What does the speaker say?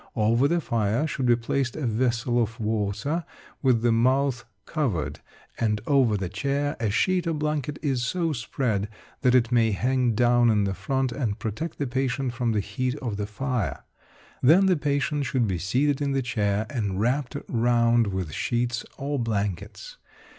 Over the fire should be placed a vessel of water with the mouth covered; and over the chair a sheet or blanket is so spread that it may hang down in the front and protect the patient from the heat of the fire. Then the patient should be seated in the chair and wrapped round with sheets or blankets.